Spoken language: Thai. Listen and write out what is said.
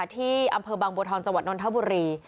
ที่อำเภอบางบัวทองจังหวัดนทบุรี